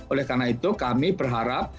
oleh karena itu kami berharap